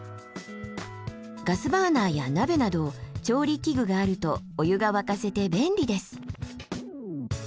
ガスバーナーや鍋など調理器具があるとお湯が沸かせて便利です。